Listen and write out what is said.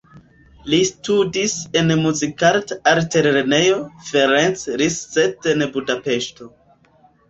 Li studis en Muzikarta Altlernejo Ferenc Liszt en Budapeŝto.